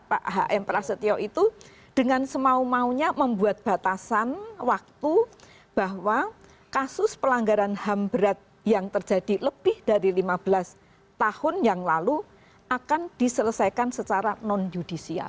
pak hm prasetyo itu dengan semau maunya membuat batasan waktu bahwa kasus pelanggaran ham berat yang terjadi lebih dari lima belas tahun yang lalu akan diselesaikan secara non judisial